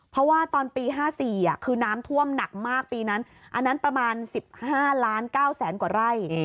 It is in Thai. เพราะว่าตอนปี๕๔คือน้ำท่วมหนักมากปีนั้นอันนั้นประมาณ๑๕ล้าน๙แสนกว่าไร่